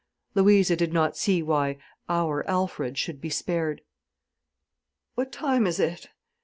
Louisa did not see why "our Alfred" should be spared. "What time is it?"